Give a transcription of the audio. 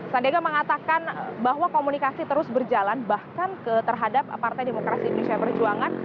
sandiaga mengatakan bahwa komunikasi terus berjalan bahkan terhadap partai demokrasi indonesia perjuangan